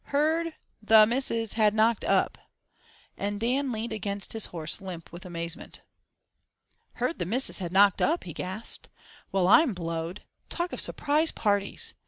Heard—the—missus—had—knocked—up," and Dan leaned against his horse, limp with amazement. "Heard the missus had knocked up?" he gasped. "Well, I'm blowed! Talk of surprise parties!"